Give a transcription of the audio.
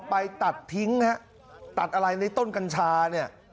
ไปตัดทิ้งฮะตัดอะไรในต้นกัญชาเนี่ย